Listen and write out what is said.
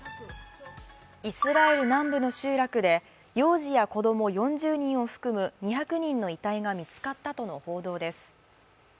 イスラエル南部の集落で幼児や子供４０人を含む、２００人の遺体が見つかったとの報道です。